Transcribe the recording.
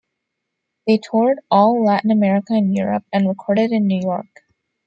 They toured all Latin America and Europe and recorded in New York.